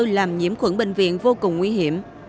làm nhiễm khuẩn bệnh viện vô cùng nguy hiểm